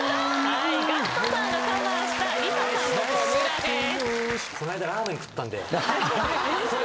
ＧＡＣＫＴさんがカバーしたＬｉＳＡさんの『炎』です。